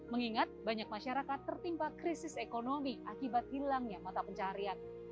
mengingat banyak masyarakat tertimpa krisis ekonomi akibat hilangnya mata pencarian